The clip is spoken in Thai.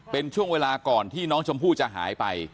เป็นช่วงเวลาก่อนที่น้องชมพู่จะหายไป